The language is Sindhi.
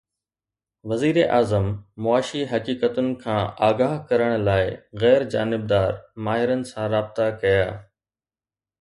وزيراعظم معاشي حقيقتن کان آگاهه ڪرڻ لاءِ غير جانبدار ماهرن سان رابطا ڪيا